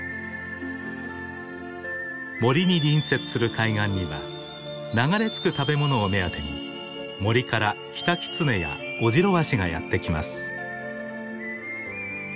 森に隣接する海岸には流れ着く食べ物を目当てに森からキタキツネやオジロワシがやって来ます。